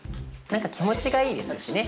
何か気持ちがいいですしね